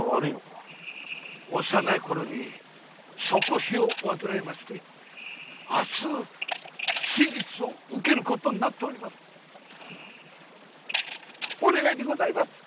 幼いころソコヒを患いまして明日手術をうけることになっておりますお願いでございます！